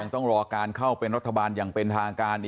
ต้องรอการเข้าเป็นรัฐบาลอย่างเป็นทางการ